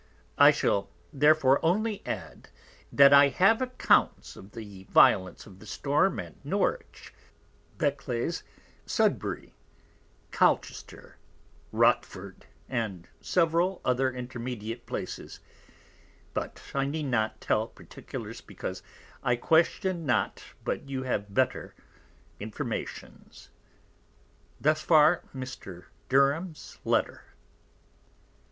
I shall therefore only add, that I have Accounts of the Violence of the Storm at Norwich, Beccles, Sudbury, Colchester, Rochford, and several other intermediate places; but I need not tell Particulars, because I question not but you have better Informations. Thus far Mr. Derham_'s Letter_.